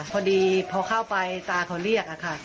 พอดีพอเข้าไปตาเขาเรียกอะค่ะ